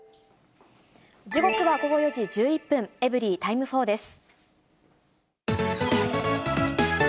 時刻は午後４時１１分、エブリィタイム４です。